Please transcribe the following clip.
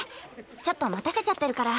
ちょっと待たせちゃってるから。